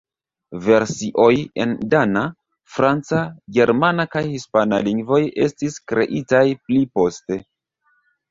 Versioj en dana, franca, germana kaj hispana lingvoj estis kreitaj pli poste.